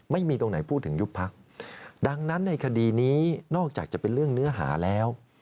ไม่มีตรงไหนพูดถึงยุบพักดังนั้นในคดีนี้นอกจากจะเป็นเรื่องเนื้อหาแล้ว